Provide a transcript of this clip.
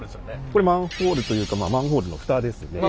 これマンホールというかまあマンホールの蓋ですね。